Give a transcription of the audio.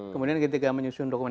kemudian ketika menyusun dokumen